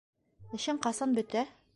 - Эшең ҡасан бөтә?